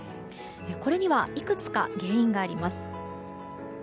これにはいくつか原因があります。